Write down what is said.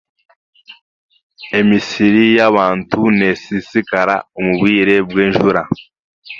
Emisiri y'abantu neesiisikara omu bwire bw'enjura.